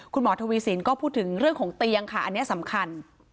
คุณหมอทวีสินก็พูดถึงเรื่องของเตียงค่ะอันนี้สำคัญ